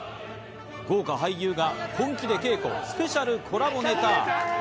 豪華俳優が本気で稽古、スペシャルコラボネタ。